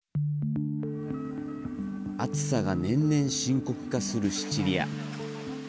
暑さが年々深刻化するシチリア。